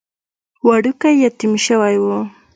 وړوکی يتيم شوی و.